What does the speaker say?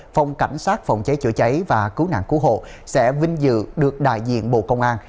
phòng cảnh sát phòng cháy chữa cháy và cứu nạn cứu hộ sẽ vinh dự được đại diện bộ công an